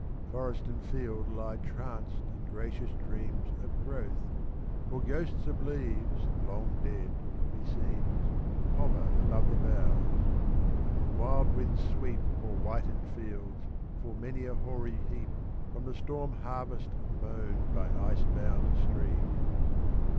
Forest and field lie tranced in gracious dreams Of growth, for ghosts of leaves long dead, me seems, Hover about the boughs; and wild winds sweep O'er whitened fields full many a hoary heap From the storm harvest mown by ice bound streams!